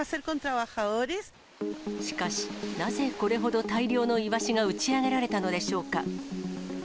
しかし、なぜこれほど大量のイワシが打ち上げられたのでしょうか。